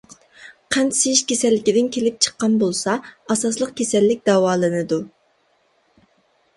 قەنت سىيىش كېسەللىكىدىن كېلىپ چىققان بولسا، ئاساسلىق كېسەللىك داۋالىنىدۇ.